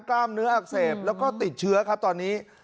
กล้ามเนื้ออักเสบแล้วก็ติดเชื้อครับตอนนี้